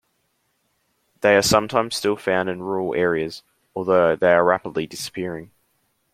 They are sometimes still found in rural areas, although they are rapidly disappearing.